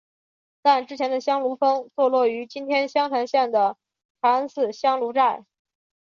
但之前的香炉峰坐落于今天湘潭县的茶恩寺香炉寨。